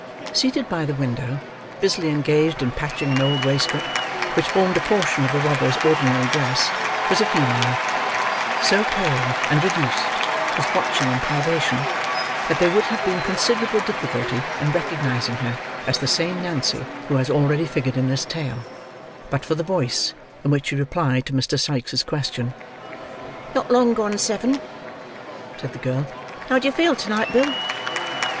Seated by the window, busily engaged in patching an old waistcoat which formed a portion of the robber's ordinary dress, was a female: so pale and reduced with watching and privation, that there would have been considerable difficulty in recognising her as the same Nancy who has already figured in this tale, but for the voice in which she replied to Mr. Sikes's question. "Not long gone seven," said the girl. "How do you feel to night, Bill?"